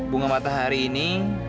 bunga matahari ini